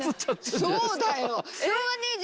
そうだよ。